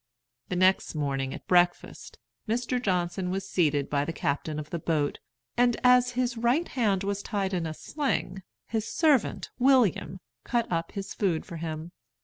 The next morning, at breakfast, Mr. Johnson was seated by the captain of the boat, and, as his right hand was tied in a sling, his servant, William, cut up his food for him.